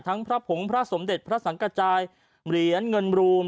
พระผงพระสมเด็จพระสังกระจายเหรียญเงินรูม